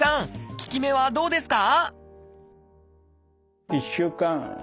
効き目はどうですか？